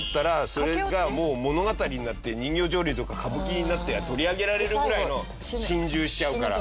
それがもう物語になって人形浄瑠璃とか歌舞伎になって取り上げられるぐらいの心中しちゃうから。